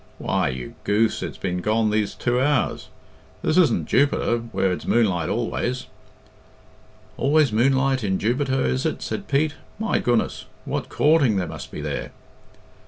"Why, you goose, it's been gone these two hours. This isn't Jupiter, where it's moonlight always." "Always moonlight in Jubiter, is it?" said Pete. "My goodness! What coorting there must be there!"